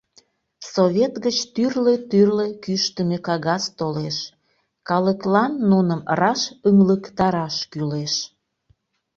Совет гыч тӱрлӧ-тӱрлӧ кӱштымӧ кагаз толеш, калыклан нуным раш ыҥлыктараш кӱлеш...